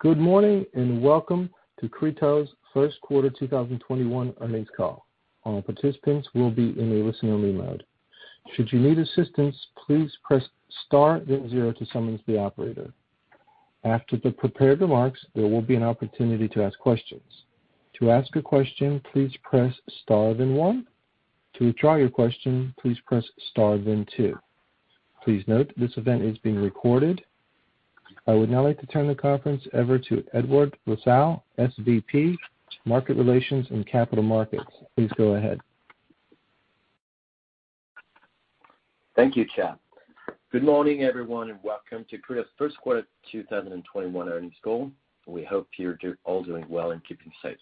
Good morning and welcome to Criteo's first quarter 2021 earnings call. All participants will be in a listen-only mode. Should you need assistance, please press star then zero to summon the operator. After the prepared remarks, there will be an opportunity to ask questions. To ask a question, please press star then one. To withdraw your question, please press star then two. Please note this event is being recorded. I would now like to turn the conference over to Edouard Lassalle, SVP, Market Relations and Capital Markets. Please go ahead. Thank you, Chad. Good morning, everyone, and welcome to Criteo's first quarter 2021 earnings call. We hope you're all doing well and keeping safe.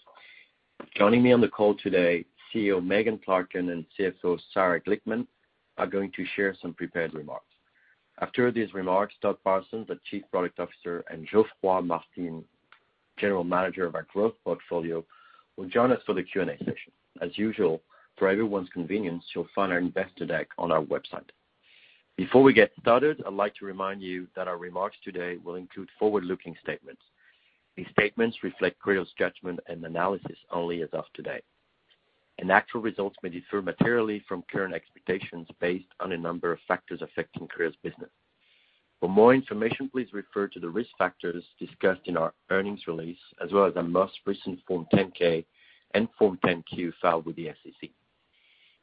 Joining me on the call today, CEO Megan Clarken and CFO Sarah Glickman are going to share some prepared remarks. After these remarks, Todd Parsons, the Chief Product Officer, and Geoffroy Martin, General Manager of our Growth Portfolio, will join us for the Q&A session. As usual, for everyone's convenience, you'll find our investor deck on our website. Before we get started, I'd like to remind you that our remarks today will include forward-looking statements. These statements reflect Criteo's judgment and analysis only as of today. Actual results may differ materially from current expectations based on a number of factors affecting Criteo's business. For more information, please refer to the risk factors discussed in our earnings release, as well as our most recent Form 10-K and Form 10-Q filed with the SEC.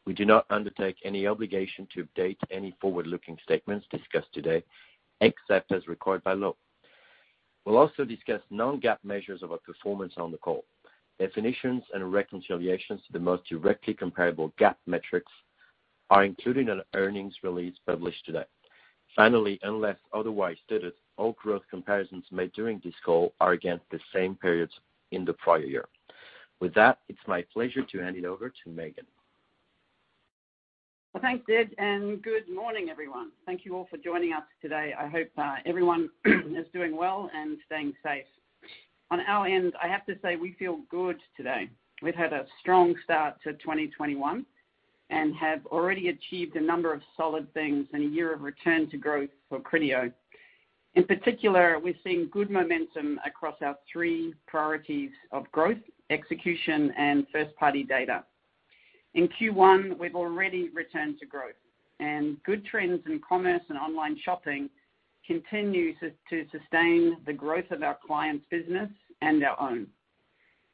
We do not undertake any obligation to update any forward-looking statements discussed today, except as required by law. We'll also discuss non-GAAP measures of our performance on the call. Definitions and reconciliations to the most directly comparable GAAP metrics are included in our earnings release published today. Finally, unless otherwise stated, all growth comparisons made during this call are against the same periods in the prior year. With that, it's my pleasure to hand it over to Megan. Thanks, Dick, and good morning, everyone. Thank you all for joining us today. I hope everyone is doing well and staying safe. On our end, I have to say we feel good today. We've had a strong start to 2021 and have already achieved a number of solid things and a year of return to growth for Criteo. In particular, we're seeing good momentum across our three priorities of growth, execution, and first-party data. In Q1, we've already returned to growth, and good trends in commerce and online shopping continue to sustain the growth of our clients' business and our own.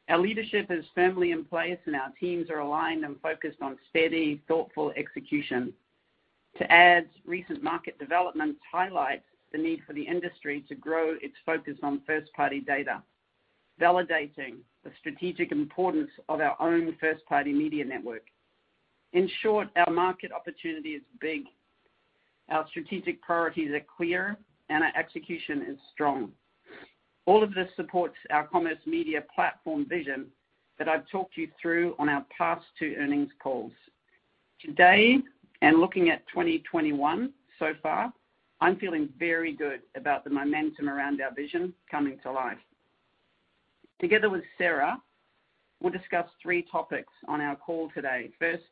Our leadership is firmly in place, and our teams are aligned and focused on steady, thoughtful execution. To add, recent market developments highlight the need for the industry to grow its focus on first-party data, validating the strategic importance of our own first-party media network. In short, our market opportunity is big. Our strategic priorities are clear, and our execution is strong. All of this supports our commerce media platform vision that I've talked you through on our past two earnings calls. Today, and looking at 2021 so far, I'm feeling very good about the momentum around our vision coming to life. Together with Sarah, we'll discuss three topics on our call today. First,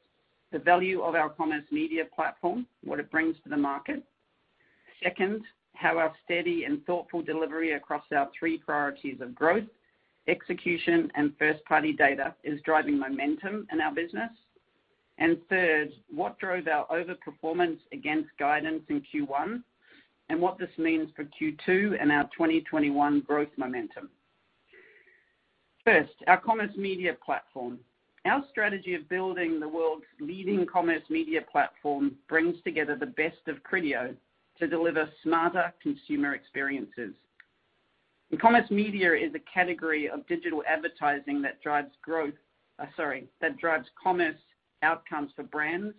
the value of our commerce media platform, what it brings to the market. Second, how our steady and thoughtful delivery across our three priorities of growth, execution, and first-party data is driving momentum in our business. Third, what drove our overperformance against guidance in Q1, and what this means for Q2 and our 2021 growth momentum. First, our commerce media platform. Our strategy of building the world's leading commerce media platform brings together the best of Criteo to deliver smarter consumer experiences. Commerce media is a category of digital advertising that drives commerce outcomes for brands,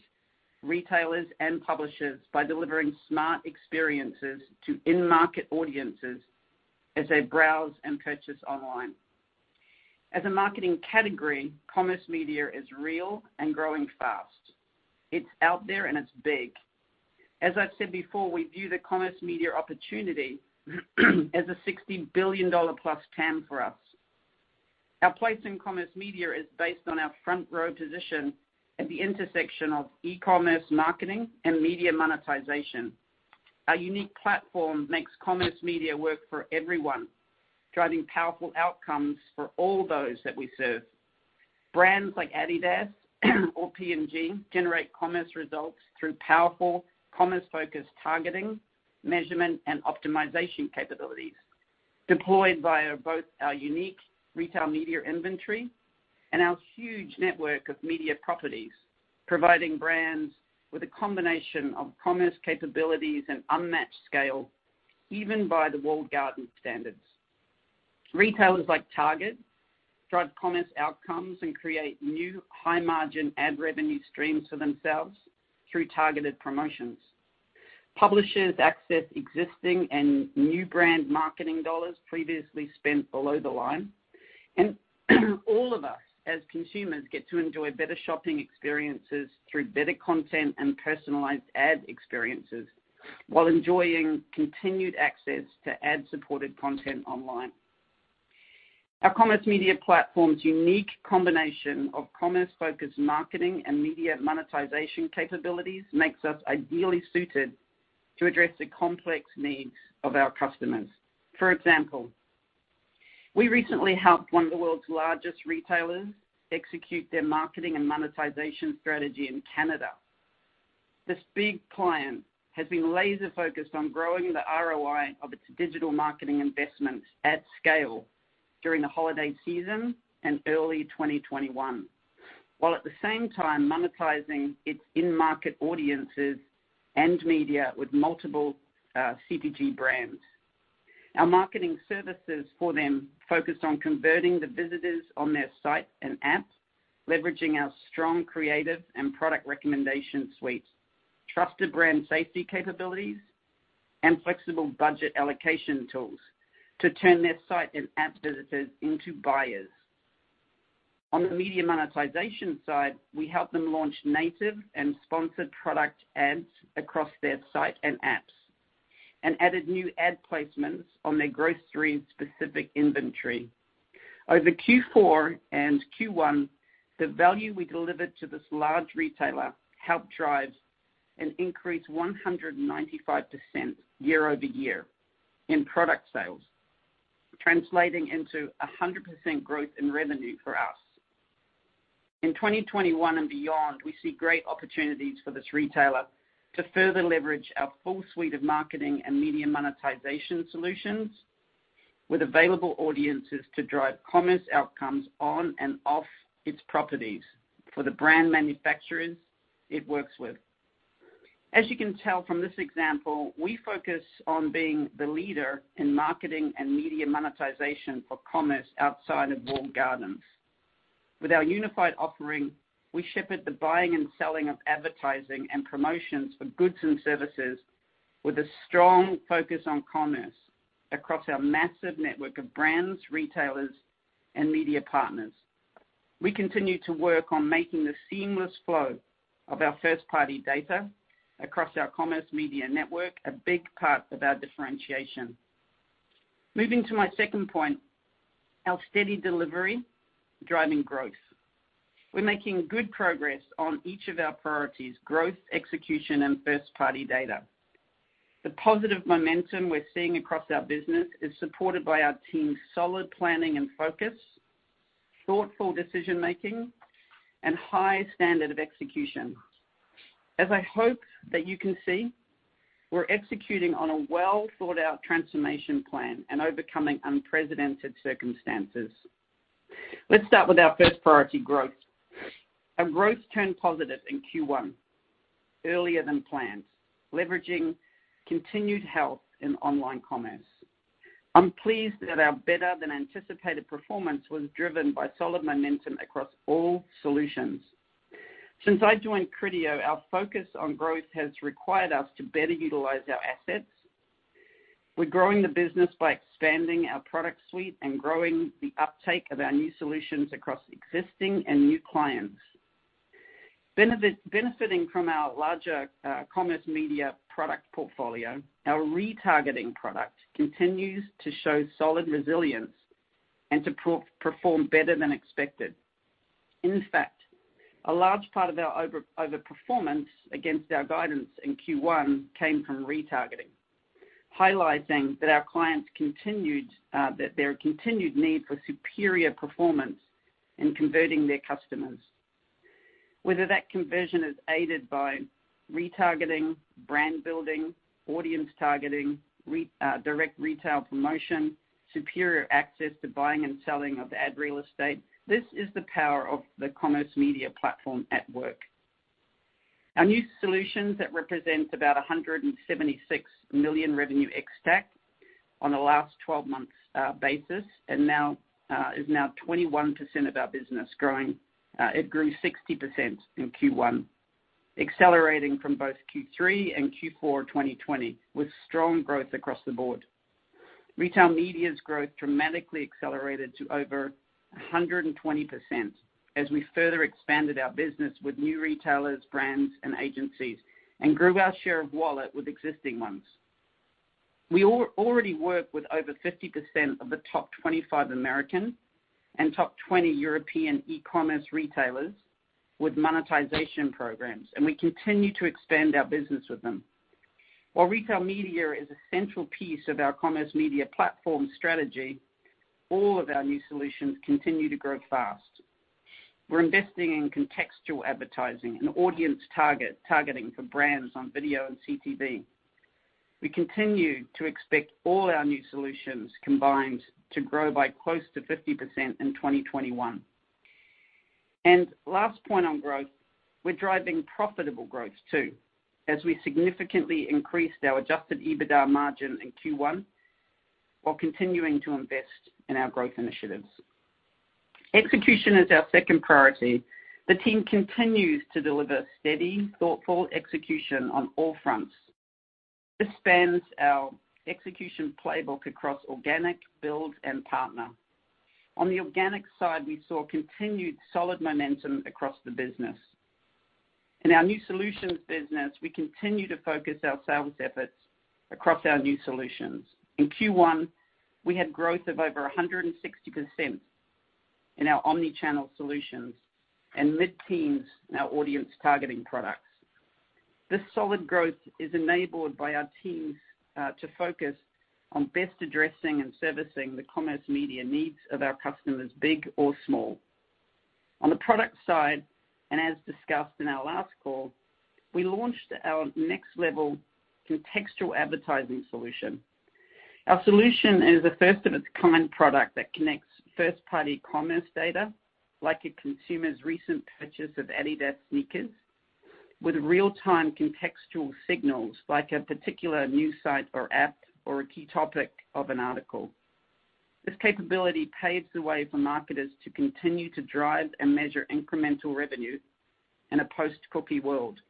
retailers, and publishers by delivering smart experiences to in-market audiences as they browse and purchase online. As a marketing category, commerce media is real and growing fast. It's out there, and it's big. As I've said before, we view the commerce media opportunity as a $60 billion-plus TAM for us. Our place in commerce media is based on our front-row position at the intersection of e-commerce marketing and media monetization. Our unique platform makes commerce media work for everyone, driving powerful outcomes for all those that we serve. Brands like Adidas or P&G generate commerce results through powerful commerce-focused targeting, measurement, and optimization capabilities deployed via both our unique retail media inventory and our huge network of media properties, providing brands with a combination of commerce capabilities and unmatched scale, even by the walled garden standards. Retailers like Target drive commerce outcomes and create new high-margin ad revenue streams for themselves through targeted promotions. Publishers access existing and new brand marketing dollars previously spent below the line. All of us, as consumers, get to enjoy better shopping experiences through better content and personalized ad experiences while enjoying continued access to ad-supported content online. Our Commerce Media Platform's unique combination of commerce-focused marketing and media monetization capabilities makes us ideally suited to address the complex needs of our customers. For example, we recently helped one of the world's largest retailers execute their marketing and monetization strategy in Canada. This big client has been laser-focused on growing the ROI of its digital marketing investments at scale during the holiday season and early 2021, while at the same time monetizing its in-market audiences and media with multiple CPG brands. Our marketing services for them focused on converting the visitors on their site and app, leveraging our strong creative and product recommendation suite, trusted brand safety capabilities, and flexible budget allocation tools to turn their site and app visitors into buyers. On the media monetization side, we helped them launch native and sponsored product ads across their site and apps and added new ad placements on their grocery-specific inventory. Over Q4 and Q1, the value we delivered to this large retailer helped drive an increase of 195% year-over-year in product sales, translating into 100% growth in revenue for us. In 2021 and beyond, we see great opportunities for this retailer to further leverage our full suite of marketing and media monetization solutions with available audiences to drive commerce outcomes on and off its properties for the brand manufacturers it works with. As you can tell from this example, we focus on being the leader in marketing and media monetization for commerce outside of Wool Gardens. With our unified offering, we shepherd the buying and selling of advertising and promotions for goods and services with a strong focus on commerce across our massive network of brands, retailers, and media partners. We continue to work on making the seamless flow of our first-party data across our commerce media network a big part of our differentiation. Moving to my second point, our steady delivery driving growth. We're making good progress on each of our priorities: growth, execution, and first-party data. The positive momentum we're seeing across our business is supported by our team's solid planning and focus, thoughtful decision-making, and high standard of execution. As I hope that you can see, we're executing on a well-thought-out transformation plan and overcoming unprecedented circumstances. Let's start with our first priority, growth. Commerce Media Platform growth turned positive in Q1, earlier than planned, leveraging continued health in online commerce. I'm pleased that our better-than-anticipated performance was driven by solid momentum across all solutions. Since I joined Criteo, our focus on growth has required us to better utilize our assets. We're growing the business by expanding our product suite and growing the uptake of our new solutions across existing and new clients. Benefiting from our larger commerce media product portfolio, our retargeting product continues to show solid resilience and to perform better than expected. In fact, a large part of our overperformance against our guidance in Q1 came from retargeting, highlighting that our clients continued their continued need for superior performance in converting their customers. Whether that conversion is aided by retargeting, brand building, audience targeting, direct retail promotion, superior access to buying and selling of ad real estate, this is the power of the Commerce Media Platform at work. Our new solutions represent about $176 million revenue ex-TAC on a last 12-month basis and now is now 21% of our business growing. It grew 60% in Q1, accelerating from both Q3 and Q4 2020 with strong growth across the board. Retail media's growth dramatically accelerated to over 120% as we further expanded our business with new retailers, brands, and agencies and grew our share of wallet with existing ones. We already work with over 50% of the top 25 American and top 20 European e-commerce retailers with monetization programs, and we continue to expand our business with them. While retail media is a central piece of our Commerce Media Platform strategy, all of our new solutions continue to grow fast. We are investing in contextual advertising and audience targeting for brands on video and CTV. We continue to expect all our new solutions combined to grow by close to 50% in 2021. The last point on growth, we are driving profitable growth too as we significantly increased our adjusted EBITDA margin in Q1 while continuing to invest in our growth initiatives. Execution is our second priority. The team continues to deliver steady, thoughtful execution on all fronts. This spans our execution playbook across organic, build, and partner. On the organic side, we saw continued solid momentum across the business. In our new solutions business, we continue to focus our sales efforts across our new solutions. In Q1, we had growth of over 160% in our omnichannel solutions and mid-teens in our audience targeting products. This solid growth is enabled by our teams to focus on best addressing and servicing the commerce media needs of our customers, big or small. On the product side, and as discussed in our last call, we launched our next-level contextual advertising solution. Our solution is a first-of-its-kind product that connects first-party commerce data like a consumer's recent purchase of Adidas sneakers with real-time contextual signals like a particular news site or app or a key topic of an article. This capability paves the way for marketers to continue to drive and measure incremental revenue in a post-cookie world.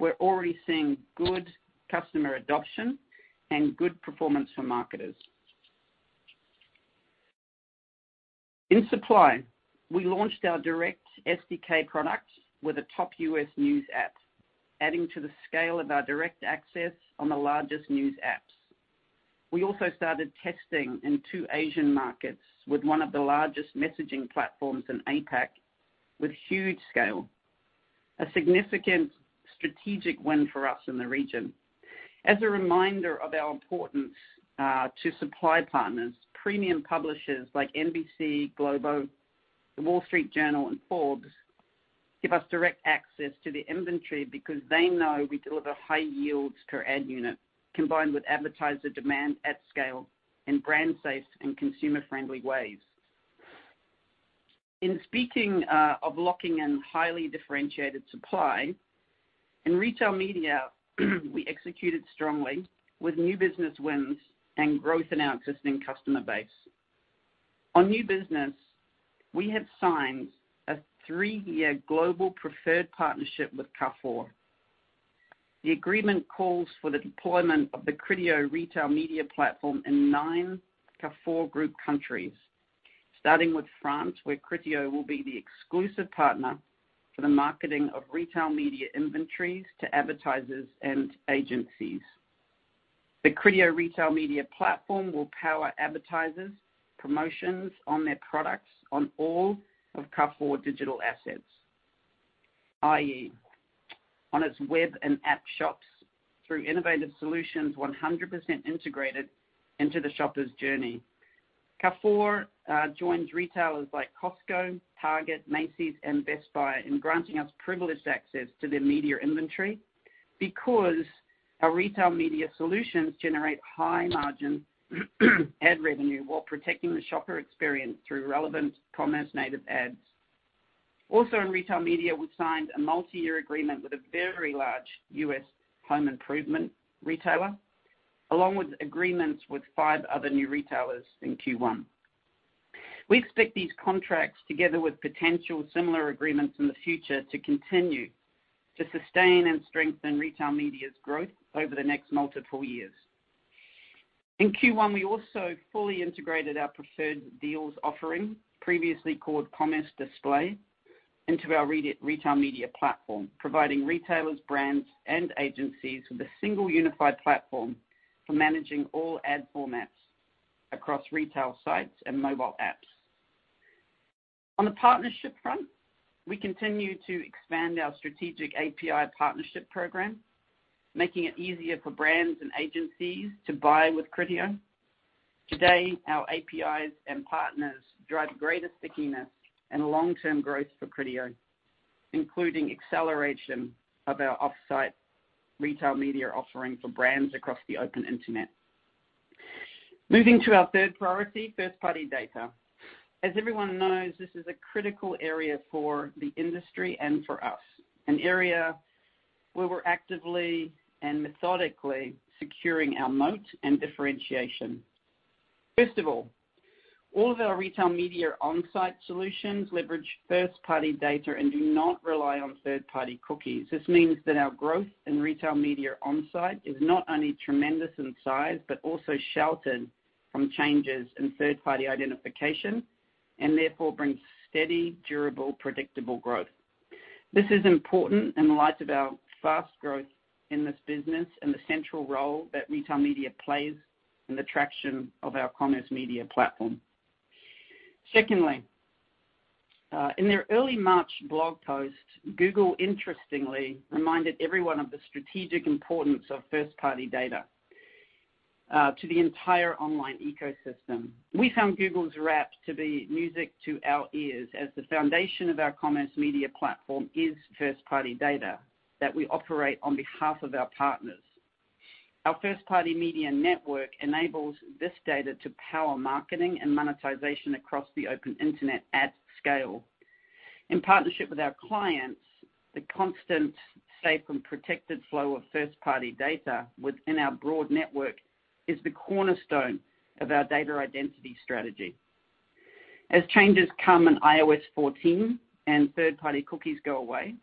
We're already seeing good customer adoption and good performance for marketers. In supply, we launched our Direct SDK product with a top U.S. news app, adding to the scale of our direct access on the largest news apps. We also started testing in two Asian markets with one of the largest messaging platforms in APAC with huge scale, a significant strategic win for us in the region. As a reminder of our importance to supply partners, premium publishers like NBC, Globo, The Wall Street Journal, and Forbes give us direct access to the inventory because they know we deliver high yields per ad unit combined with advertiser demand at scale in brand-safe and consumer-friendly ways. In speaking of locking in highly differentiated supply, in retail media, we executed strongly with new business wins and growth in our existing customer base. On new business, we have signed a three-year global preferred partnership with Carrefour. The agreement calls for the deployment of the Criteo retail media platform in nine Carrefour group countries, starting with France, where Criteo will be the exclusive partner for the marketing of retail media inventories to advertisers and agencies. The Criteo retail media platform will power advertisers' promotions on their products on all of Carrefour digital assets, i.e., on its web and app shops through innovative solutions 100% integrated into the shopper's journey. Carrefour joins retailers like Costco, Target, Macy's, and Best Buy in granting us privileged access to their media inventory because our retail media solutions generate high-margin ad revenue while protecting the shopper experience through relevant commerce-native ads. Also, in retail media, we signed a multi-year agreement with a very large U.S. home improvement retailer, along with agreements with five other new retailers in Q1. We expect these contracts, together with potential similar agreements in the future, to continue to sustain and strengthen retail media's growth over the next multiple years. In Q1, we also fully integrated our preferred deals offering, previously called Commerce Display, into our retail media platform, providing retailers, brands, and agencies with a single unified platform for managing all ad formats across retail sites and mobile apps. On the partnership front, we continue to expand our strategic API partnership program, making it easier for brands and agencies to buy with Criteo. Today, our APIs and partners drive greater stickiness and long-term growth for Criteo, including acceleration of our off-site retail media offering for brands across the open internet. Moving to our third priority, first-party data. As everyone knows, this is a critical area for the industry and for us, an area where we're actively and methodically securing our moat and differentiation. First of all, all of our retail media on-site solutions leverage first-party data and do not rely on third-party cookies. This means that our growth in retail media on-site is not only tremendous in size but also sheltered from changes in third-party identification and therefore brings steady, durable, predictable growth. This is important in light of our fast growth in this business and the central role that retail media plays in the traction of our commerce media platform. Secondly, in their early March blog post, Google, interestingly, reminded everyone of the strategic importance of first-party data to the entire online ecosystem. We found Google's wrap to be music to our ears as the foundation of our commerce media platform is first-party data that we operate on behalf of our partners. Our first-party media network enables this data to power marketing and monetization across the open internet at scale. In partnership with our clients, the constant, safe, and protected flow of first-party data within our broad network is the cornerstone of our data identity strategy. As changes come in iOS 14 and third-party cookies go away,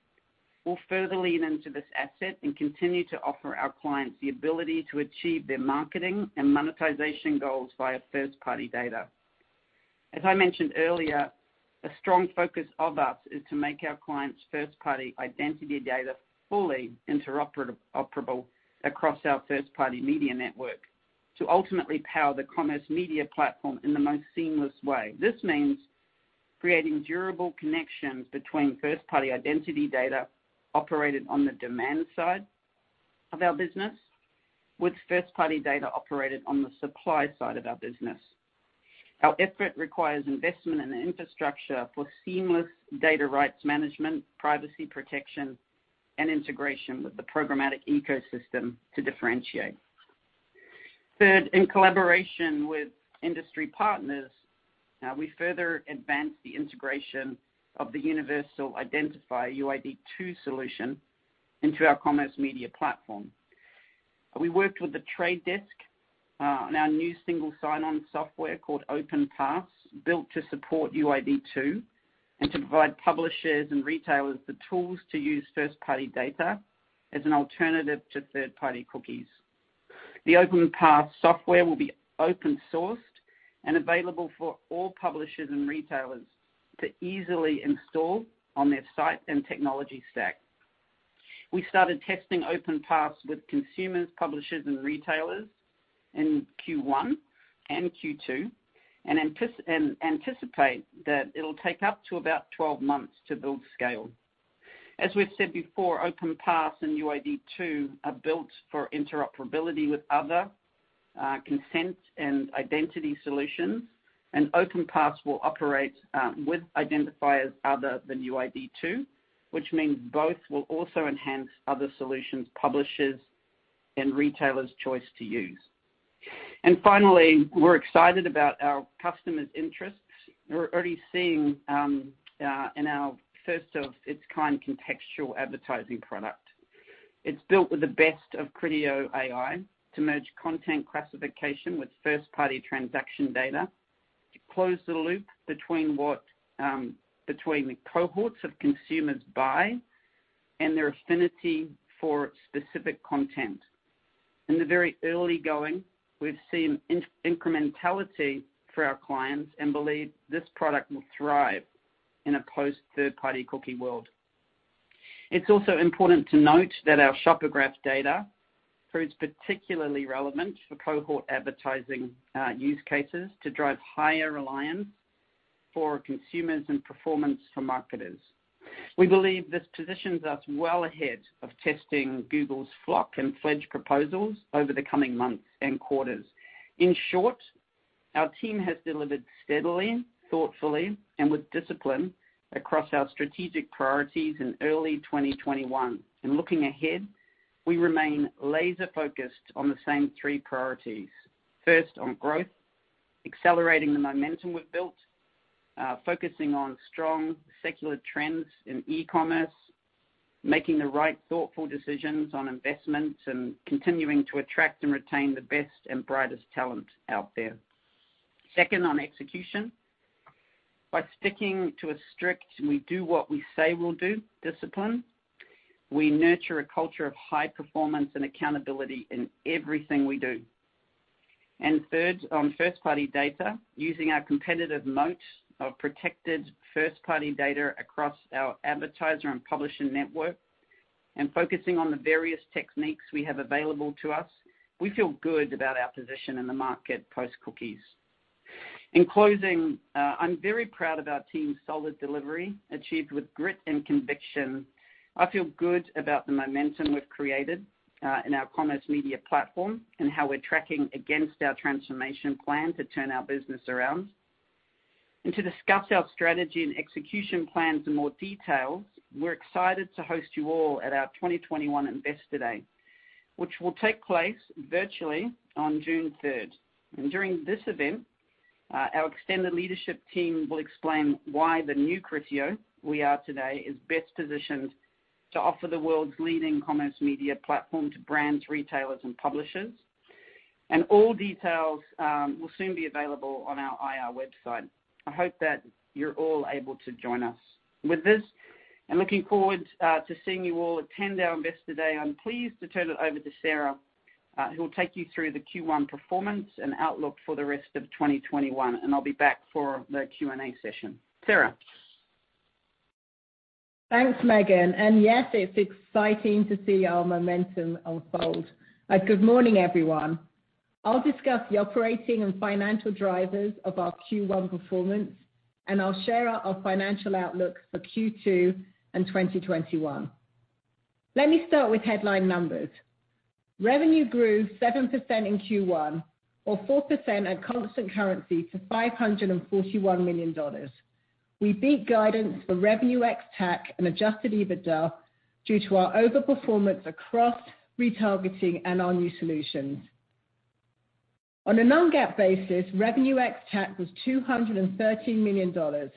we'll further lean into this asset and continue to offer our clients the ability to achieve their marketing and monetization goals via first-party data. As I mentioned earlier, a strong focus of us is to make our clients' first-party identity data fully interoperable across our first-party media network to ultimately power the Commerce Media Platform in the most seamless way. This means creating durable connections between first-party identity data operated on the demand side of our business with first-party data operated on the supply side of our business. Our effort requires investment in the infrastructure for seamless data rights management, privacy protection, and integration with the programmatic ecosystem to differentiate. Third, in collaboration with industry partners, we further advance the integration of the universal identifier UID2 solution into our Commerce Media Platform. We worked with The Trade Desk on our new single sign-on software called OpenPass, built to support UID2 and to provide publishers and retailers the tools to use first-party data as an alternative to third-party cookies. The OpenPass software will be open-sourced and available for all publishers and retailers to easily install on their site and technology stack. We started testing OpenPass with consumers, publishers, and retailers in Q1 and Q2 and anticipate that it'll take up to about 12 months to build scale. As we've said before, OpenPass and UID2 are built for interoperability with other consent and identity solutions, and OpenPass will operate with identifiers other than UID2, which means both will also enhance other solutions publishers and retailers' choice to use. Finally, we're excited about our customers' interests. We're already seeing in our first-of-its-kind contextual advertising product. It's built with the best of Criteo AI to merge content classification with first-party transaction data to close the loop between the cohorts of consumers buy and their affinity for specific content. In the very early going, we've seen incrementality for our clients and believe this product will thrive in a post-third-party cookie world. It's also important to note that our Shopper Graph data proves particularly relevant for cohort advertising use cases to drive higher reliance for consumers and performance for marketers. We believe this positions us well ahead of testing Google's FLoC and FLEDGE proposals over the coming months and quarters. In short, our team has delivered steadily, thoughtfully, and with discipline across our strategic priorities in early 2021. In looking ahead, we remain laser-focused on the same three priorities: first, on growth, accelerating the momentum we've built, focusing on strong secular trends in e-commerce, making the right thoughtful decisions on investments, and continuing to attract and retain the best and brightest talent out there. Second, on execution, by sticking to a strict "we do what we say we'll do" discipline, we nurture a culture of high performance and accountability in everything we do. Third, on first-party data, using our competitive moat of protected first-party data across our advertiser and publisher network and focusing on the various techniques we have available to us, we feel good about our position in the market post-cookies. In closing, I'm very proud of our team's solid delivery achieved with grit and conviction. I feel good about the momentum we've created in our Commerce Media Platform and how we're tracking against our transformation plan to turn our business around. To discuss our strategy and execution plans in more detail, we're excited to host you all at our 2021 Investor Day, which will take place virtually on June 3rd. During this event, our extended leadership team will explain why the new Criteo we are today is best positioned to offer the world's leading Commerce Media Platform to brands, retailers, and publishers. All details will soon be available on our IR website. I hope that you're all able to join us. With this, and looking forward to seeing you all attend our Investor Day, I'm pleased to turn it over to Sarah, who will take you through the Q1 performance and outlook for the rest of 2021. I'll be back for the Q&A session. Sarah. Thanks, Megan. Yes, it's exciting to see our momentum unfold. Good morning, everyone. I'll discuss the operating and financial drivers of our Q1 performance, and I'll share our financial outlook for Q2 and 2021. Let me start with headline numbers. Revenue grew 7% in Q1, or 4% at constant currency, to $541 million. We beat guidance for Revenue ex-TAC and Adjusted EBITDA due to our overperformance across retargeting and our new solutions. On a non-GAAP basis, Revenue ex-TAC was $213 million,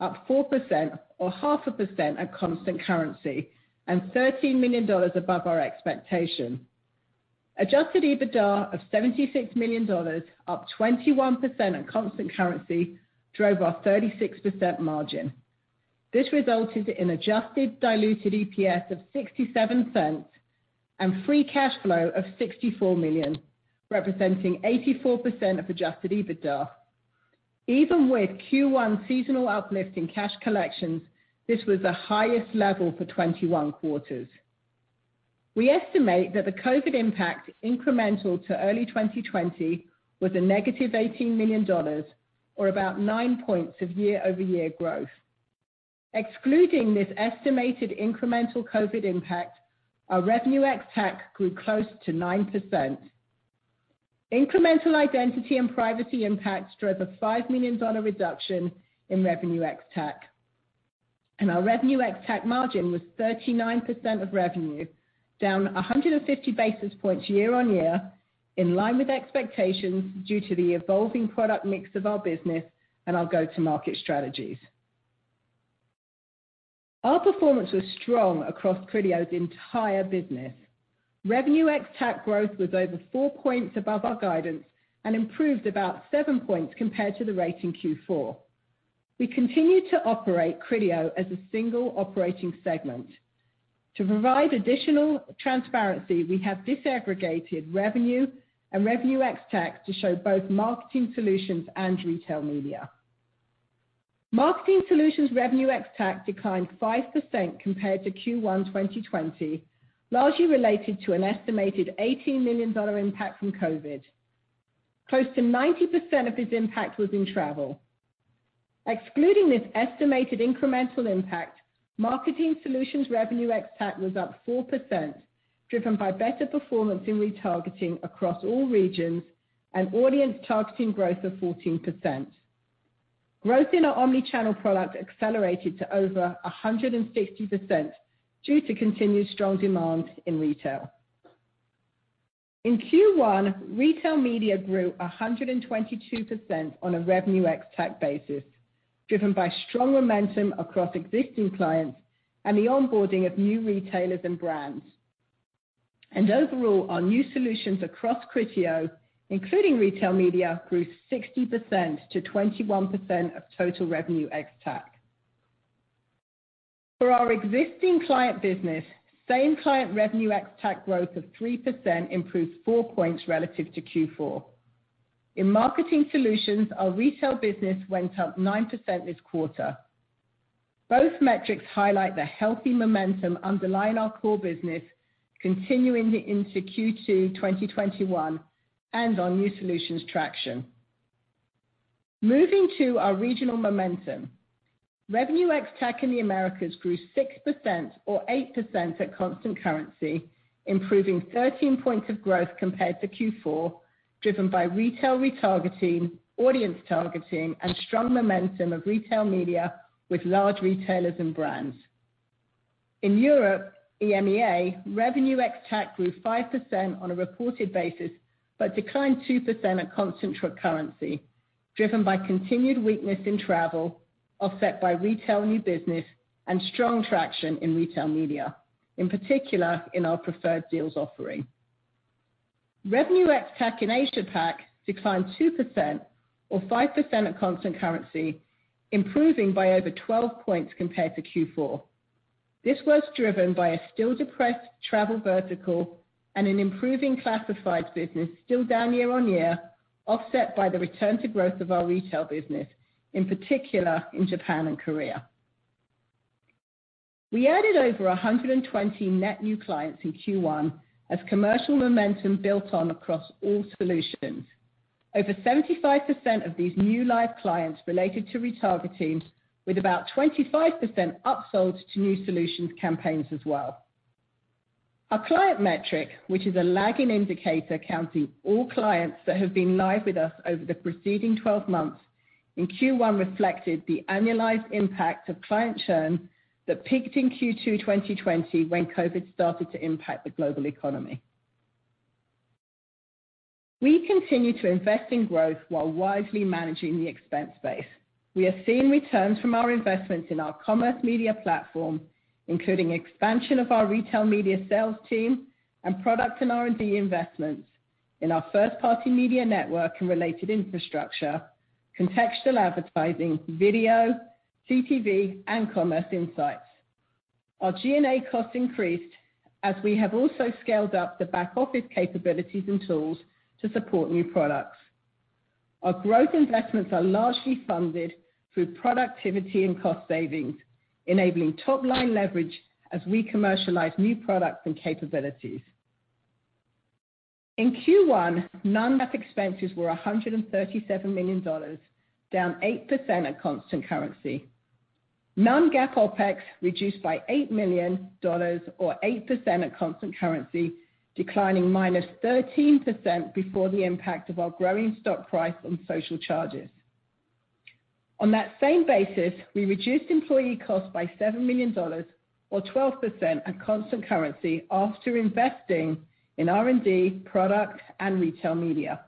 up 4%, or 0.5% at constant currency, and $13 million above our expectation. Adjusted EBITDA of $76 million, up 21% at constant currency, drove our 36% margin. This resulted in adjusted diluted EPS of 67 cents and free cash flow of $64 million, representing 84% of adjusted EBITDA. Even with Q1 seasonal uplift in cash collections, this was the highest level for 21 quarters. We estimate that the COVID impact incremental to early 2020 was a negative $18 million, or about 9 points of year-over-year growth. Excluding this estimated incremental COVID impact, our RevenueX Tech grew close to 9%. Incremental identity and privacy impacts drove a $5 million reduction in RevenueX Tech. Our RevenueX Tech margin was 39% of revenue, down 150 basis points year-on-year, in line with expectations due to the evolving product mix of our business and our go-to-market strategies. Our performance was strong across Criteo's entire business. RevenueX Tech growth was over 4 points above our guidance and improved about 7 points compared to the rate in Q4. We continue to operate Criteo as a single operating segment. To provide additional transparency, we have disaggregated revenue and RevenueX Tech to show both marketing solutions and retail media. Marketing Solutions Revenue ex-TAC declined 5% compared to Q1 2020, largely related to an estimated $18 million impact from COVID. Close to 90% of this impact was in travel. Excluding this estimated incremental impact, Marketing Solutions Revenue ex-TAC was up 4%, driven by better performance in retargeting across all regions and Audience Targeting growth of 14%. Growth in our Omnichannel product accelerated to over 160% due to continued strong demand in retail. In Q1, Retail Media grew 122% on a Revenue ex-TAC basis, driven by strong momentum across existing clients and the onboarding of new retailers and brands. Overall, our new solutions across Criteo, including Retail Media, grew 60% to 21% of total Revenue ex-TAC. For our existing client business, same client Revenue ex-TAC growth of 3% improved 4 percentage points relative to Q4. In Marketing Solutions, our retail business went up 9% this quarter. Both metrics highlight the healthy momentum underlying our core business, continuing into Q2 2021 and our new solutions traction. Moving to our regional momentum, Revenue ex-TAC in the Americas grew 6% or 8% at constant currency, improving 13 percentage points of growth compared to Q4, driven by retail retargeting, audience targeting, and strong momentum of retail media with large retailers and brands. In Europe, EMEA, Revenue ex-TAC grew 5% on a reported basis but declined 2% at constant currency, driven by continued weakness in travel, offset by retail new business, and strong traction in retail media, in particular in our preferred deals offering. Revenue ex-TAC in APAC declined 2% or 5% at constant currency, improving by over 12 percentage points compared to Q4. This was driven by a still depressed travel vertical and an improving classifieds business, still down year-on-year, offset by the return to growth of our retail business, in particular in Japan and Korea. We added over 120 net new clients in Q1 as commercial momentum built on across all solutions. Over 75% of these new live clients related to retargeting, with about 25% upsold to new solutions campaigns as well. Our client metric, which is a lagging indicator counting all clients that have been live with us over the preceding 12 months, in Q1 reflected the annualized impact of client churn that peaked in Q2 2020 when COVID started to impact the global economy. We continue to invest in growth while wisely managing the expense base. We are seeing returns from our investments in our Commerce Media Platform, including expansion of our retail media sales team and product and R&D investments in our first-party media network and related infrastructure, contextual advertising, video, CTV, and commerce insights. Our G&A costs increased as we have also scaled up the back-office capabilities and tools to support new products. Our growth investments are largely funded through productivity and cost savings, enabling top-line leverage as we commercialize new products and capabilities. In Q1, non-GAAP expenses were $137 million, down 8% at constant currency. Non-GAAP OpEx reduced by $8 million, or 8% at constant currency, declining minus 13% before the impact of our growing stock price and social charges. On that same basis, we reduced employee costs by $7 million, or 12% at constant currency, after investing in R&D, product, and retail media.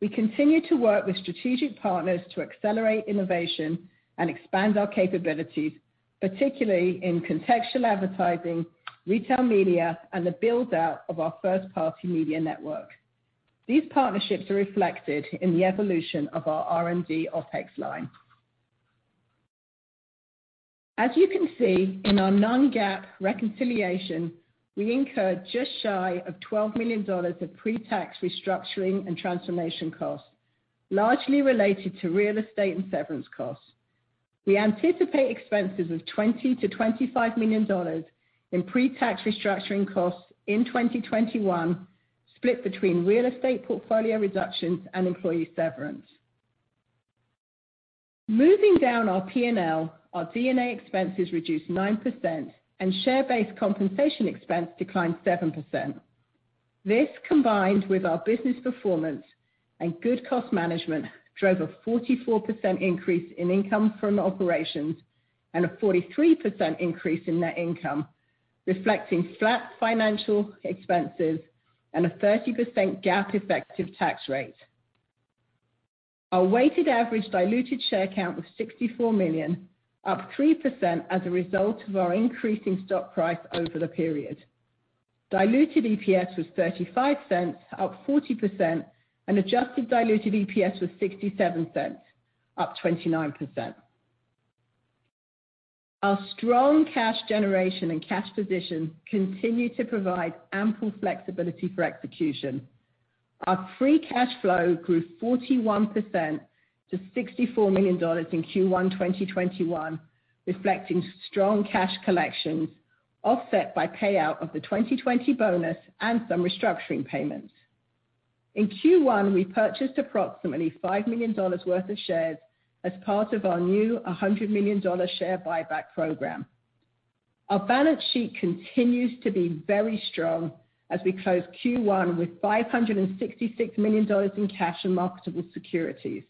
We continue to work with strategic partners to accelerate innovation and expand our capabilities, particularly in contextual advertising, retail media, and the build-out of our first-party media network. These partnerships are reflected in the evolution of our R&D OpEx line. As you can see, in our non-GAAP reconciliation, we incurred just shy of $12 million of pre-tax restructuring and transformation costs, largely related to real estate and severance costs. We anticipate expenses of $20 million-$25 million in pre-tax restructuring costs in 2021, split between real estate portfolio reductions and employee severance. Moving down our P&L, our D&A expenses reduced 9%, and share-based compensation expense declined 7%. This, combined with our business performance and good cost management, drove a 44% increase in income from operations and a 43% increase in net income, reflecting flat financial expenses and a 30% GAAP effective tax rate. Our weighted average diluted share count was $64 million, up 3% as a result of our increasing stock price over the period. Diluted EPS was $0.35, up 40%, and adjusted diluted EPS was $0.67, up 29%. Our strong cash generation and cash position continue to provide ample flexibility for execution. Our free cash flow grew 41% to $64 million in Q1 2021, reflecting strong cash collections, offset by payout of the 2020 bonus and some restructuring payments. In Q1, we purchased approximately $5 million worth of shares as part of our new $100 million share buyback program. Our balance sheet continues to be very strong as we close Q1 with $566 million in cash and marketable securities.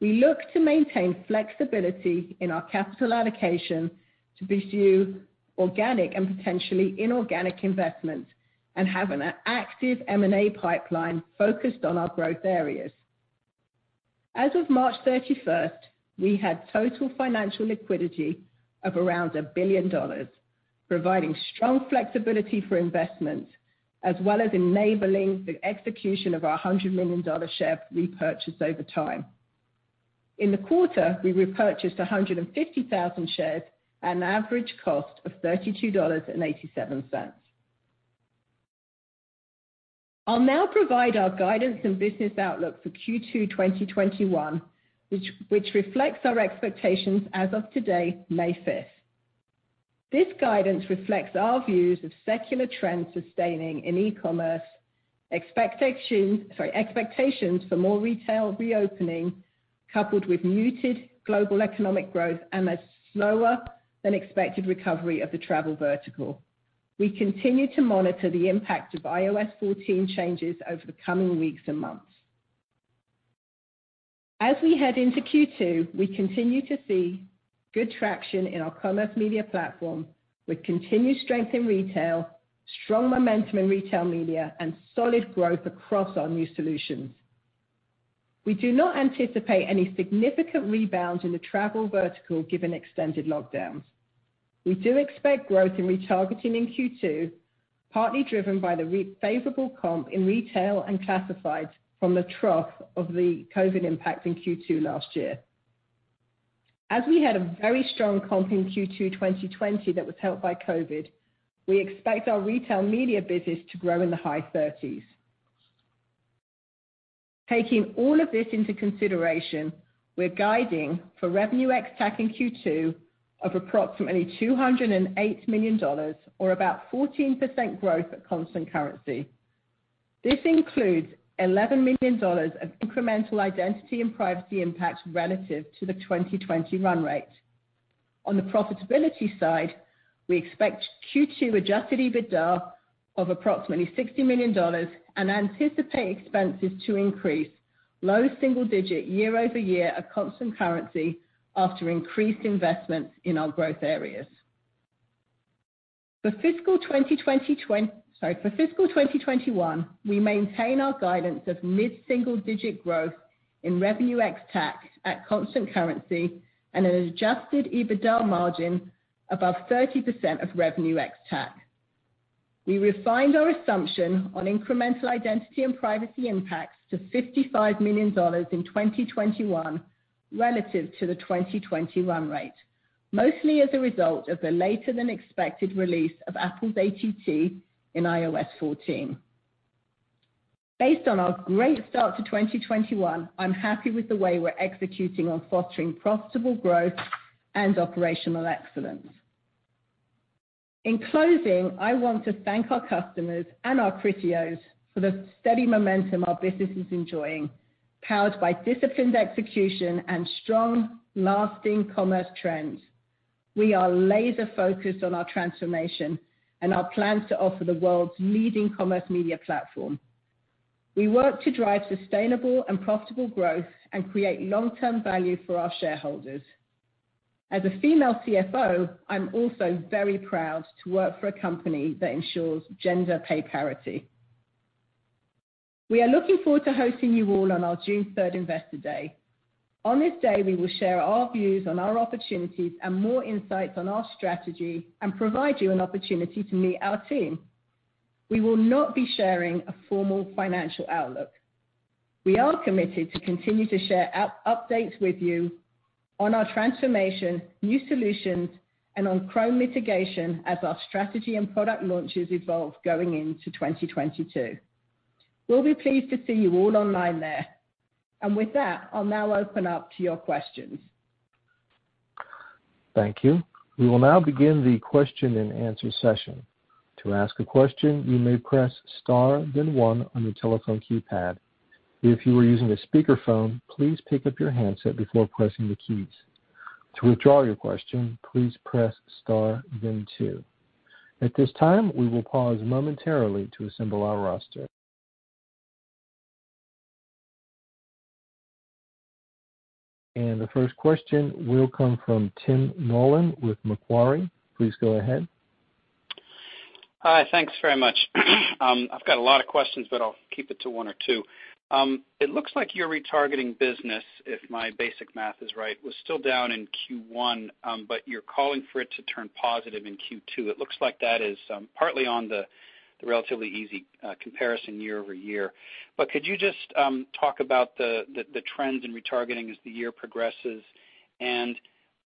We look to maintain flexibility in our capital allocation to pursue organic and potentially inorganic investments and have an active M&A pipeline focused on our growth areas. As of March 31, we had total financial liquidity of around $1 billion, providing strong flexibility for investments as well as enabling the execution of our $100 million share repurchase over time. In the quarter, we repurchased 150,000 shares at an average cost of $32.87. I'll now provide our guidance and business outlook for Q2 2021, which reflects our expectations as of today, May 5. This guidance reflects our views of secular trends sustaining in e-commerce, expectations for more retail reopening, coupled with muted global economic growth and a slower-than-expected recovery of the travel vertical. We continue to monitor the impact of iOS 14 changes over the coming weeks and months. As we head into Q2, we continue to see good traction in our Commerce Media Platform with continued strength in retail, strong momentum in Retail Media, and solid growth across our new solutions. We do not anticipate any significant rebound in the travel vertical given extended lockdowns. We do expect growth in retargeting in Q2, partly driven by the favorable comp in retail and classifieds from the trough of the COVID impact in Q2 last year. As we had a very strong comp in Q2 2020 that was helped by COVID, we expect our retail media business to grow in the high 30s. Taking all of this into consideration, we're guiding for Revenue ex-TAC in Q2 of approximately $208 million, or about 14% growth at constant currency. This includes $11 million of incremental identity and privacy impacts relative to the 2020 run rate. On the profitability side, we expect Q2 adjusted EBITDA of approximately $60 million and anticipate expenses to increase, low single digit year-over-year at constant currency after increased investments in our growth areas. For fiscal 2021, we maintain our guidance of mid-single digit growth in Revenue ex-TAC at constant currency and an adjusted EBITDA margin above 30% of Revenue ex-TAC. We refined our assumption on incremental identity and privacy impacts to $55 million in 2021 relative to the 2021 rate, mostly as a result of the later-than-expected release of Apple's ATT in iOS 14. Based on our great start to 2021, I'm happy with the way we're executing on fostering profitable growth and operational excellence. In closing, I want to thank our customers and our Criteos for the steady momentum our business is enjoying, powered by disciplined execution and strong, lasting commerce trends. We are laser-focused on our transformation and our plans to offer the world's leading Commerce Media Platform. We work to drive sustainable and profitable growth and create long-term value for our shareholders. As a female CFO, I'm also very proud to work for a company that ensures gender pay parity. We are looking forward to hosting you all on our June 3rd Investor Day. On this day, we will share our views on our opportunities and more insights on our strategy and provide you an opportunity to meet our team. We will not be sharing a formal financial outlook. We are committed to continue to share updates with you on our transformation, new solutions, and on Chrome mitigation as our strategy and product launches evolve going into 2022. We'll be pleased to see you all online there. With that, I'll now open up to your questions. Thank you. We will now begin the question-and-answer session. To ask a question, you may press Star, then one on your telephone keypad. If you are using a speakerphone, please pick up your handset before pressing the keys. To withdraw your question, please press Star, then two. At this time, we will pause momentarily to assemble our roster. The first question will come from Tim Nollen with Macquarie. Please go ahead. Hi. Thanks very much. I've got a lot of questions, but I'll keep it to one or two. It looks like your retargeting business, if my basic math is right, was still down in Q1, but you're calling for it to turn positive in Q2. It looks like that is partly on the relatively easy comparison year-over-year. Could you just talk about the trends in retargeting as the year progresses?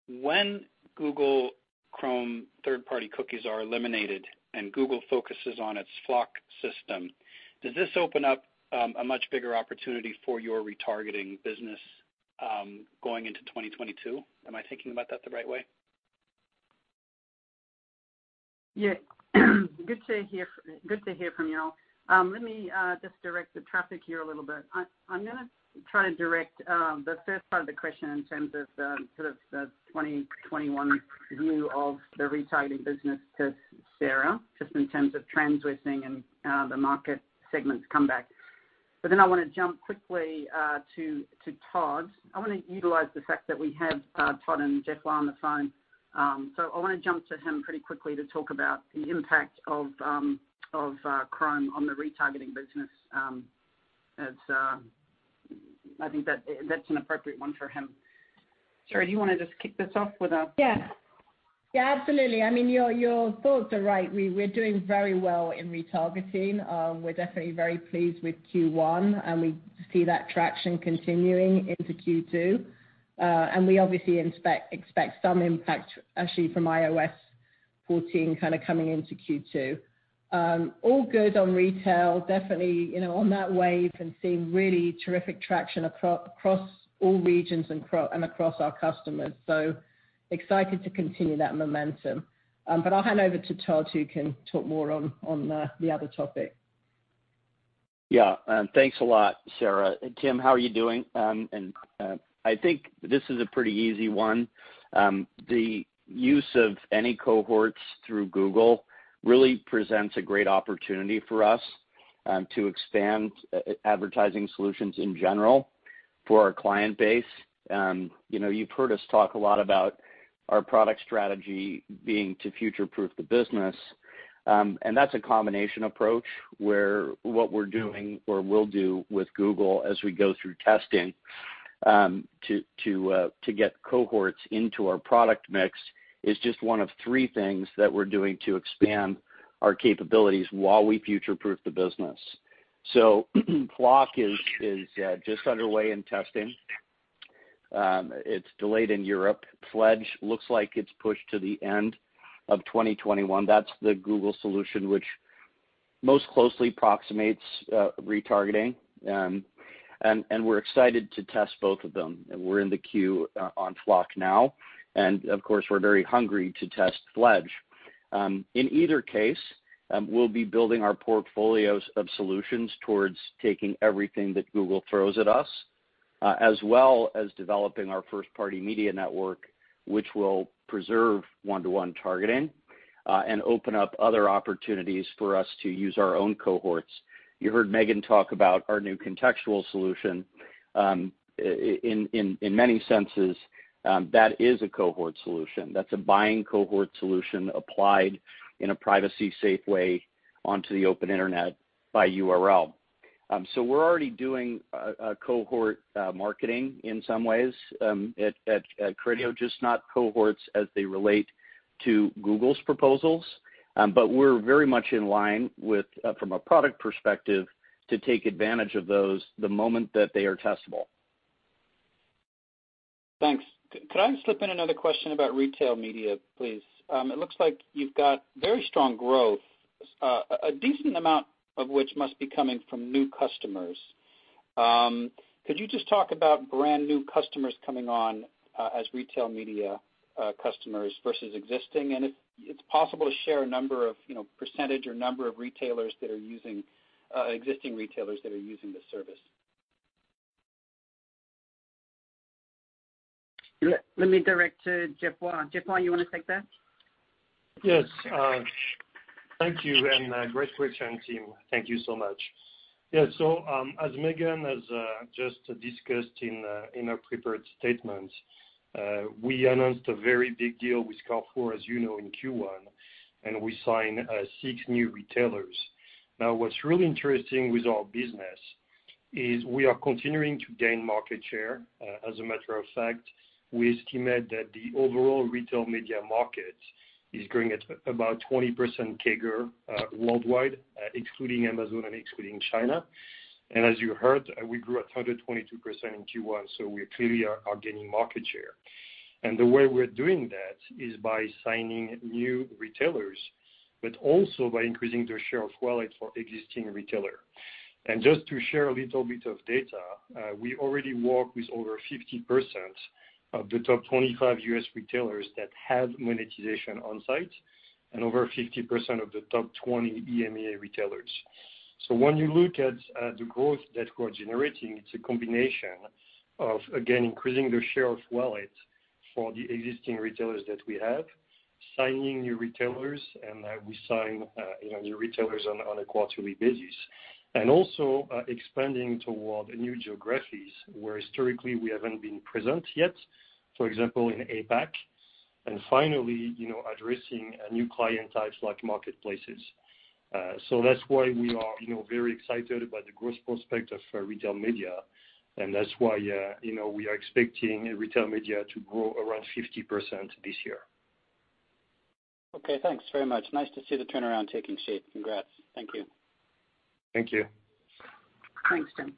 When Google Chrome third-party cookies are eliminated and Google focuses on its FLoC system, does this open up a much bigger opportunity for your retargeting business going into 2022? Am I thinking about that the right way? Yeah. Good to hear from you all. Let me just direct the traffic here a little bit. I'm going to try to direct the first part of the question in terms of sort of the 2021 view of the retargeting business to Sarah, just in terms of trends we're seeing and the market segments' comeback. I want to jump quickly to Todd. I want to utilize the fact that we have Todd and Geoffroy Martin on the phone. I want to jump to him pretty quickly to talk about the impact of Chrome on the retargeting business. I think that's an appropriate one for him. Sarah, do you want to just kick this off with a... Yeah. Yeah, absolutely. I mean, your thoughts are right. We're doing very well in retargeting. We're definitely very pleased with Q1, and we see that traction continuing into Q2. We obviously expect some impact, actually, from iOS 14 kind of coming into Q2. All good on retail, definitely on that wave and seeing really terrific traction across all regions and across our customers. Excited to continue that momentum. I'll hand over to Todd, who can talk more on the other topic. Yeah. Thanks a lot, Sarah. Tim, how are you doing? I think this is a pretty easy one. The use of any cohorts through Google really presents a great opportunity for us to expand advertising solutions in general for our client base. You've heard us talk a lot about our product strategy being to future-proof the business. That's a combination approach where what we're doing or will do with Google as we go through testing to get cohorts into our product mix is just one of three things that we're doing to expand our capabilities while we future-proof the business. FLoC is just underway in testing. It's delayed in Europe. FLEDGE looks like it's pushed to the end of 2021. That's the Google solution which most closely approximates retargeting. We're excited to test both of them. We're in the queue on FLoC now. Of course, we're very hungry to test FLEDGE. In either case, we'll be building our portfolios of solutions towards taking everything that Google throws at us, as well as developing our first-party media network, which will preserve one-to-one targeting and open up other opportunities for us to use our own cohorts. You heard Megan talk about our new contextual solution. In many senses, that is a cohort solution. That's a buying cohort solution applied in a privacy-safe way onto the open internet by URL. We're already doing cohort marketing in some ways at Criteo, just not cohorts as they relate to Google's proposals. We're very much in line with, from a product perspective, to take advantage of those the moment that they are testable. Thanks. Could I slip in another question about retail media, please? It looks like you've got very strong growth, a decent amount of which must be coming from new customers. Could you just talk about brand new customers coming on as retail media customers versus existing? If it's possible to share a number of percentage or number of retailers that are using existing retailers that are using the service. Let me direct to Geoffroy Martin. Geoffroy Martin, you want to take that? Yes. Thank you. Great question, Tim. Thank you so much. Yeah. As Megan has just discussed in our prepared statement, we announced a very big deal with Carrefour, as you know, in Q1, and we signed six new retailers. What's really interesting with our business is we are continuing to gain market share. As a matter of fact, we estimate that the overall retail media market is growing at about 20% CAGR worldwide, excluding Amazon and excluding China. As you heard, we grew at 122% in Q1, so we clearly are gaining market share. The way we're doing that is by signing new retailers, but also by increasing the share of wallet for existing retailers. Just to share a little bit of data, we already work with over 50% of the top 25 U.S. retailers that have monetization on-site and over 50% of the top 20 EMEA retailers. When you look at the growth that we're generating, it's a combination of, again, increasing the share of wallet for the existing retailers that we have, signing new retailers, and we sign new retailers on a quarterly basis, and also expanding toward new geographies where historically we haven't been present yet, for example, in APAC. Finally, addressing new client types like marketplaces. That's why we are very excited about the growth prospect of retail media. That's why we are expecting retail media to grow around 50% this year. Okay. Thanks very much. Nice to see the turnaround taking shape. Congrats. Thank you. Thank you. Thanks, Tim.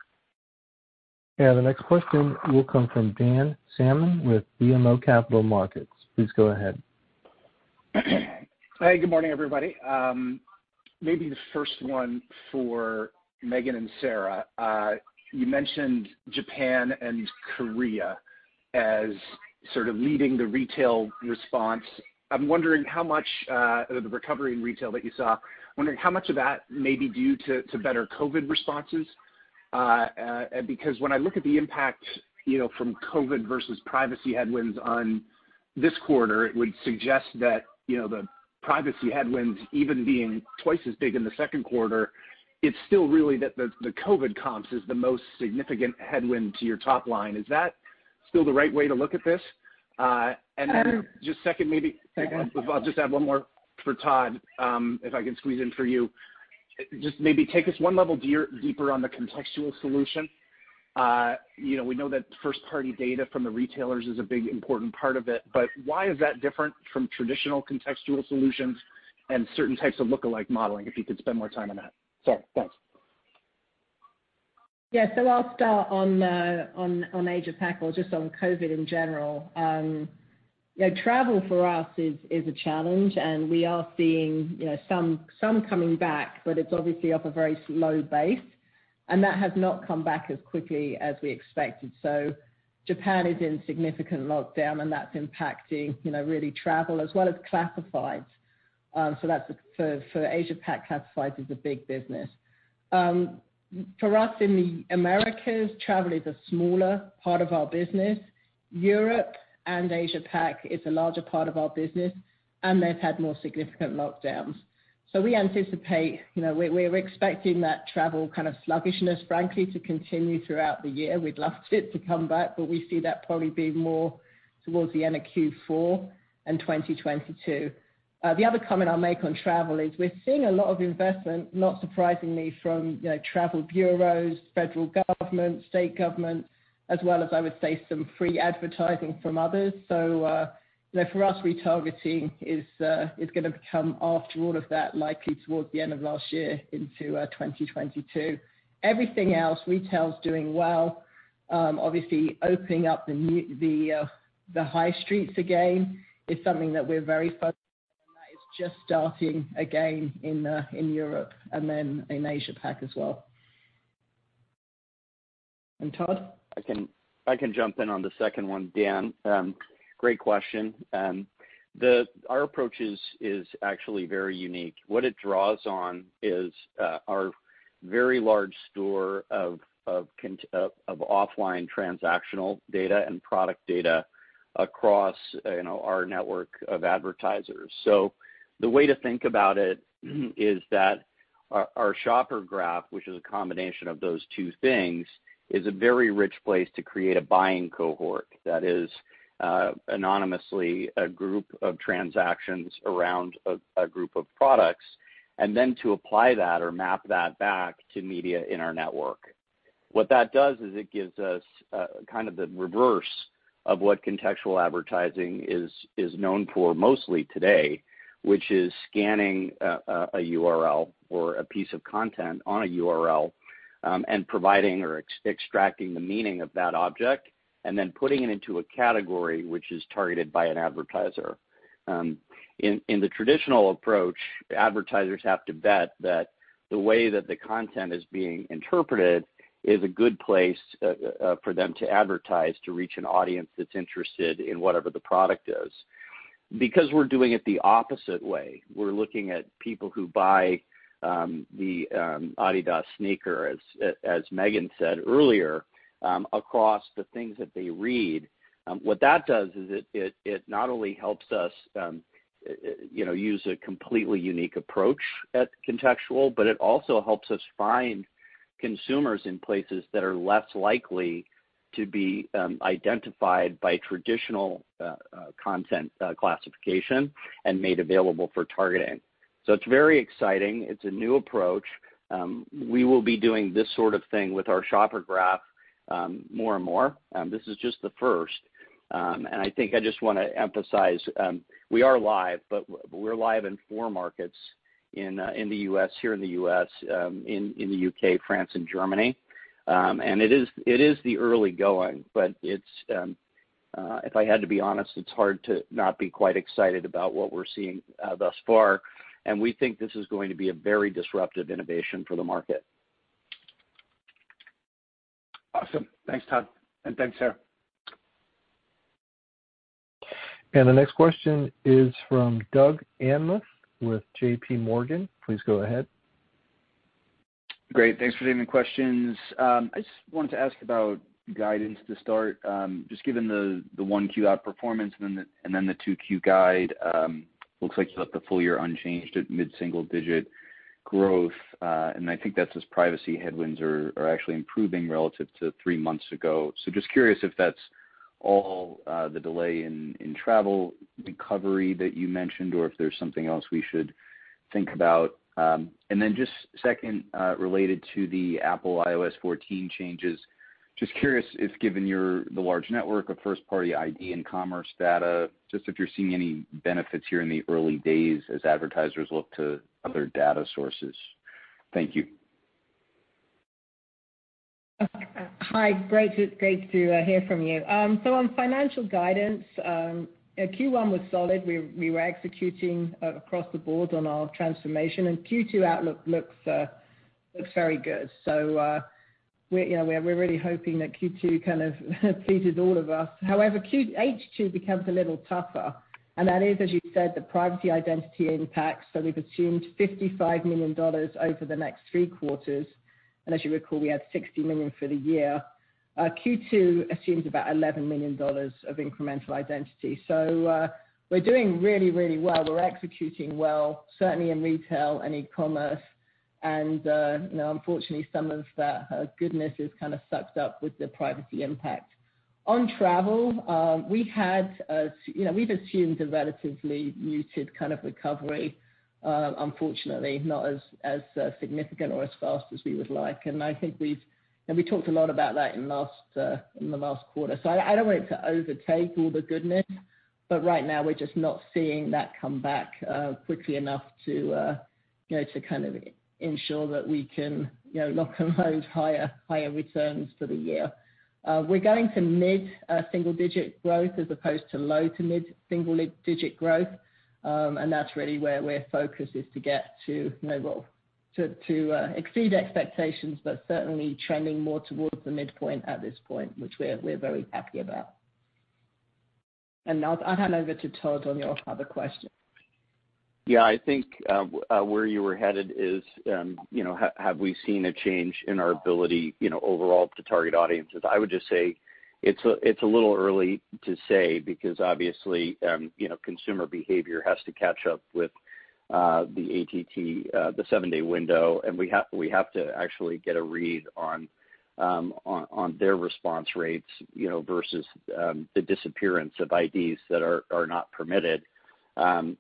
The next question will come from Dan Salmon with BMO Capital Markets. Please go ahead. Hi. Good morning, everybody. Maybe the first one for Megan and Sarah. You mentioned Japan and Korea as sort of leading the retail response. I'm wondering how much of the recovery in retail that you saw, I'm wondering how much of that may be due to better COVID responses. Because when I look at the impact from COVID versus privacy headwinds on this quarter, it would suggest that the privacy headwinds, even being twice as big in the second quarter, it's still really that the COVID comps is the most significant headwind to your top line. Is that still the right way to look at this? Just second, maybe I'll just add one more for Todd, if I can squeeze in for you. Just maybe take us one level deeper on the contextual solution. We know that first-party data from the retailers is a big important part of it. But why is that different from traditional contextual solutions and certain types of lookalike modeling, if you could spend more time on that? Sorry. Thanks. Yeah. I'll start on APAC or just on COVID in general. Travel for us is a challenge, and we are seeing some coming back, but it's obviously off a very slow base. That has not come back as quickly as we expected. Japan is in significant lockdown, and that's impacting really travel as well as classifieds. For APAC, classifieds is a big business. For us in the Americas, travel is a smaller part of our business. Europe and APAC is a larger part of our business, and they've had more significant lockdowns. We anticipate we're expecting that travel kind of sluggishness, frankly, to continue throughout the year. We'd love for it to come back, but we see that probably being more towards the end of Q4 and 2022. The other comment I'll make on travel is we're seeing a lot of investment, not surprisingly, from travel bureaus, federal government, state government, as well as, I would say, some free advertising from others. For us, retargeting is going to become, after all of that, likely towards the end of last year into 2022. Everything else, retail's doing well. Obviously, opening up the high streets again is something that we're very focused on. That is just starting again in Europe and then in APAC as well. Todd? I can jump in on the second one, Dan. Great question. Our approach is actually very unique. What it draws on is our very large store of offline transactional data and product data across our network of advertisers. The way to think about it is that our Shopper Graph, which is a combination of those two things, is a very rich place to create a buying cohort that is anonymously a group of transactions around a group of products, and then to apply that or map that back to media in our network. What that does is it gives us kind of the reverse of what contextual advertising is known for mostly today, which is scanning a URL or a piece of content on a URL and providing or extracting the meaning of that object and then putting it into a category which is targeted by an advertiser. In the traditional approach, advertisers have to bet that the way that the content is being interpreted is a good place for them to advertise to reach an audience that's interested in whatever the product is. Because we're doing it the opposite way, we're looking at people who buy the Adidas sneaker, as Megan said earlier, across the things that they read. What that does is it not only helps us use a completely unique approach at contextual, but it also helps us find consumers in places that are less likely to be identified by traditional content classification and made available for targeting. It is very exciting. It is a new approach. We will be doing this sort of thing with our Shopper Graph more and more. This is just the first. I think I just want to emphasize we are live, but we're live in four markets in the U.S., here in the U.S., in the U.K., France, and Germany. It is the early going, but if I had to be honest, it's hard to not be quite excited about what we're seeing thus far. We think this is going to be a very disruptive innovation for the market. Awesome. Thanks, Todd. Thanks, Sarah. The next question is from Doug Anmuth with JPMorgan. Please go ahead. Great. Thanks for taking the questions. I just wanted to ask about guidance to start. Just given the Q1 outperformance and then the Q2 guide, looks like you left the full year unchanged at mid-single-digit growth. I think that's as privacy headwinds are actually improving relative to three months ago. Just curious if that's all the delay in travel recovery that you mentioned or if there's something else we should think about. Then just second, related to the Apple iOS 14 changes, just curious if given the large network of first-party ID and commerce data, if you're seeing any benefits here in the early days as advertisers look to other data sources. Thank you. Hi. Great to hear from you. On financial guidance, Q1 was solid. We were executing across the board on our transformation. Q2 outlook looks very good. We're really hoping that Q2 kind of pleases all of us. However, H2 becomes a little tougher. That is, as you said, the privacy identity impacts. We've assumed $55 million over the next three quarters. As you recall, we had $60 million for the year. Q2 assumes about $11 million of incremental identity. We're doing really, really well. We're executing well, certainly in retail and e-commerce. Unfortunately, some of that goodness is kind of sucked up with the privacy impact. On travel, we've assumed a relatively muted kind of recovery, unfortunately, not as significant or as fast as we would like. I think we talked a lot about that in the last quarter. I do not want it to overtake all the goodness. Right now, we're just not seeing that come back quickly enough to kind of ensure that we can lock and load higher returns for the year. We're going to mid-single-digit growth as opposed to low to mid-single-digit growth. That's really where we're focused, to get to exceed expectations, but certainly trending more towards the midpoint at this point, which we're very happy about. I'll hand over to Todd on your other question. Yeah. I think where you were headed is, have we seen a change in our ability overall to target audiences? I would just say it's a little early to say because, obviously, consumer behavior has to catch up with the ATT, the seven-day window. We have to actually get a read on their response rates versus the disappearance of IDs that are not permitted.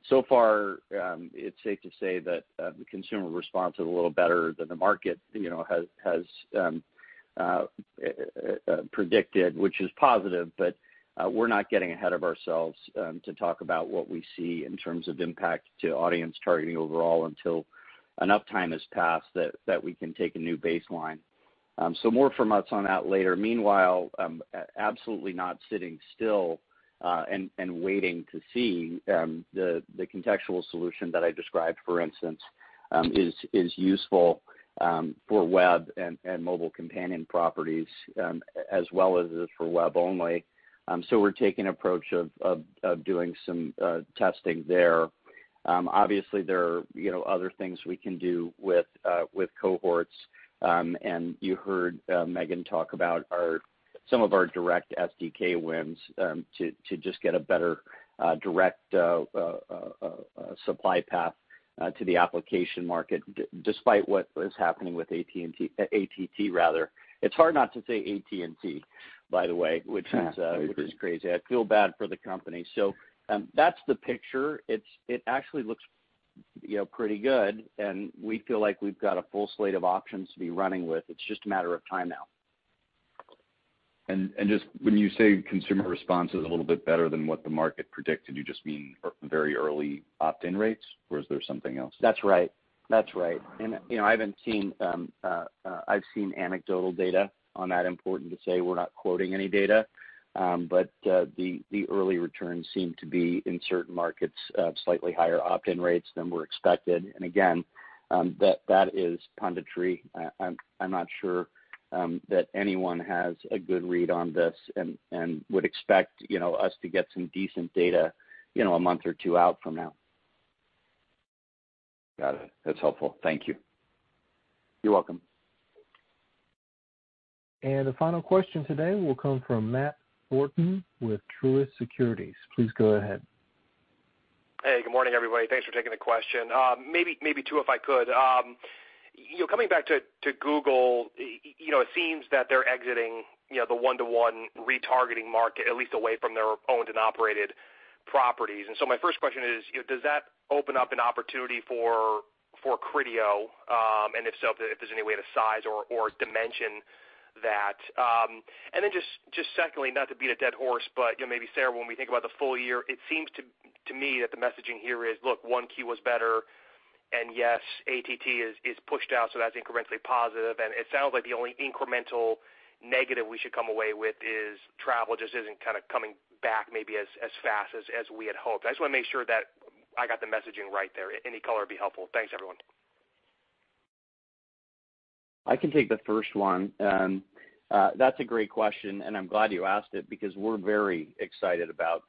So far, it's safe to say that the consumer response is a little better than the market has predicted, which is positive. We're not getting ahead of ourselves to talk about what we see in terms of impact to audience targeting overall until enough time has passed that we can take a new baseline. More from us on that later. Meanwhile, absolutely not sitting still and waiting to see. The contextual solution that I described, for instance, is useful for web and mobile companion properties as well as for web only. We are taking an approach of doing some testing there. Obviously, there are other things we can do with cohorts. You heard Megan talk about some of our direct SDK wins to just get a better direct supply path to the application market. Despite what is happening with ATT, rather, it is hard not to say ATT, by the way, which is crazy. I feel bad for the company. That is the picture. It actually looks pretty good. We feel like we have got a full slate of options to be running with. It is just a matter of time now. Just when you say consumer response is a little bit better than what the market predicted, you just mean very early opt-in rates, or is there something else? That's right. That's right. I've seen anecdotal data on that. Important to say we're not quoting any data. The early returns seem to be in certain markets of slightly higher opt-in rates than were expected. That is punditry. I'm not sure that anyone has a good read on this and would expect us to get some decent data a month or two out from now. Got it. That's helpful. Thank you. You're welcome. The final question today will come from Matt Thornton with Truist Securities. Please go ahead. Hey. Good morning, everybody. Thanks for taking the question. Maybe two if I could. Coming back to Google, it seems that they're exiting the one-to-one retargeting market, at least away from their owned and operated properties. My first question is, does that open up an opportunity for Criteo? If so, if there's any way to size or dimension that? Secondly, not to beat a dead horse, but maybe, Sarah, when we think about the full year, it seems to me that the messaging here is, "Look, one-queue was better. Yes, ATT is pushed out, so that's incrementally positive." It sounds like the only incremental negative we should come away with is travel just isn't kind of coming back maybe as fast as we had hoped. I just want to make sure that I got the messaging right there. Any color would be helpful. Thanks, everyone. I can take the first one. That's a great question. I'm glad you asked it because we're very excited about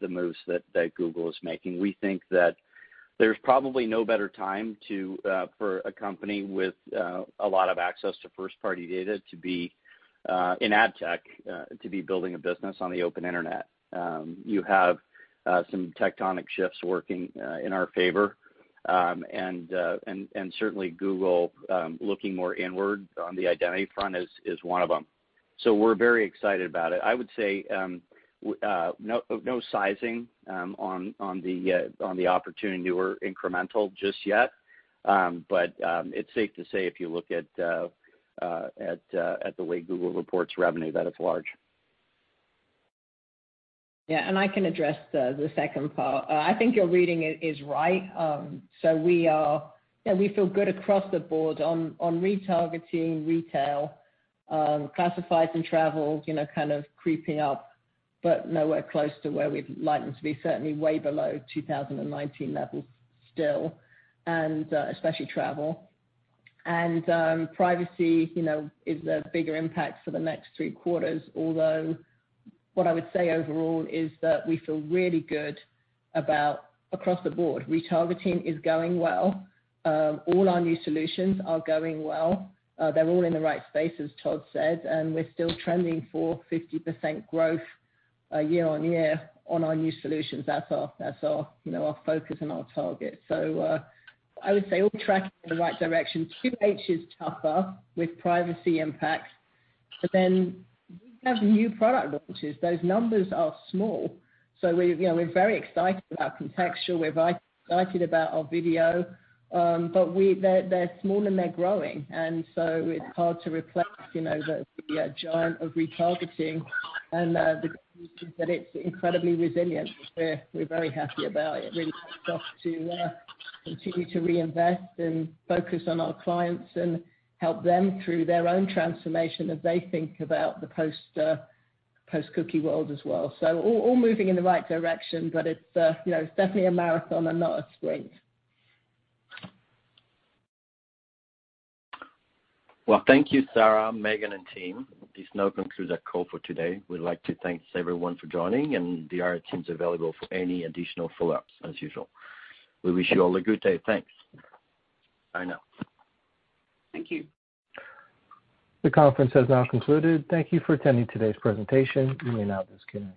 the moves that Google is making. We think that there's probably no better time for a company with a lot of access to first-party data to be in ad tech to be building a business on the open internet. You have some tectonic shifts working in our favor. Certainly, Google looking more inward on the identity front is one of them. We're very excited about it. I would say no sizing on the opportunity or incremental just yet. It's safe to say if you look at the way Google reports revenue, that it's large. Yeah. I can address the second part. I think your reading is right. We feel good across the board on retargeting, retail, classifieds, and travel kind of creeping up, but nowhere close to where we'd like them to be. Certainly way below 2019 levels still, and especially travel. Privacy is a bigger impact for the next three quarters, although what I would say overall is that we feel really good across the board. Retargeting is going well. All our new solutions are going well. They're all in the right spaces, Todd said. We're still trending for 50% growth year on year on our new solutions. That's our focus and our target. I would say we're tracking in the right direction. QH is tougher with privacy impacts. We have new product launches. Those numbers are small. We're very excited about contextual. We're very excited about our video. They're small and they're growing. It's hard to replace the giant of retargeting and the reasons that it's incredibly resilient. We're very happy about it. It really helps us to continue to reinvest and focus on our clients and help them through their own transformation as they think about the post-cookie world as well. All moving in the right direction, but it's definitely a marathon and not a sprint. Thank you, Sarah, Megan, and team. This now concludes our call for today. We'd like to thank everyone for joining. The teams are available for any additional follow-ups as usual. We wish you all a good day. Thanks. Bye now. Thank you. The conference has now concluded. Thank you for attending today's presentation. You may now disconnect.